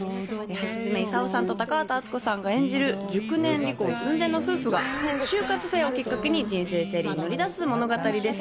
橋爪功さんと高畑淳子さんが演じる熟年離婚寸前の夫婦が、終活フェアをきっかけに人生整理に乗り出す物語です。